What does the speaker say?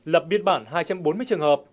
lập biên bản hai trăm bốn mươi trường hợp